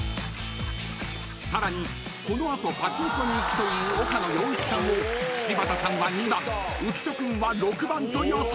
［さらにこの後パチンコに行くという岡野陽一さんを柴田さんは２番浮所君は６番と予想］